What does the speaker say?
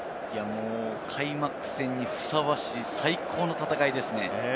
開幕戦にふさわしい最高の戦いですね。